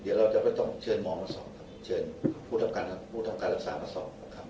เดี๋ยวเราจะก็ต้องเชิญหมอมาสอบครับเชิญผู้ทำการรักษามาสอบนะครับ